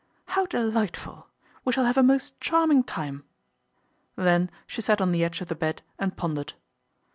How delight ful. We shall have a most charming time." Then she sat on the edge of the bed and pondered.